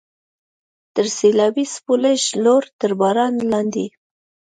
تر سیلابي څپو لږ لوړ، تر باران لاندې.